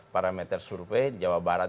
parameter survei di jawa barat